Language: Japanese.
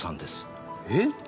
えっ！？